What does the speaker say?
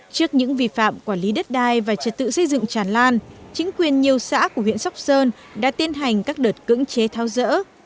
trước những vi phạm quản lý đất đai và trật tự xây dựng tràn lan chính quyền nhiều xã của huyện sóc sơn đã tiến hành các đợt cưỡng chế thao dỡ